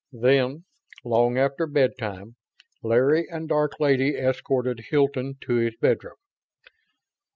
Then, long after bedtime, Larry and Dark Lady escorted Hilton to his bedroom.